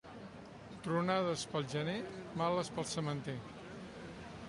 Tronades pel gener, males pel sementer.